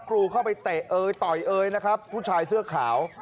รูเข้าไปเตะเอยต่อยเอยนะครับผู้ชายเสื้อขาว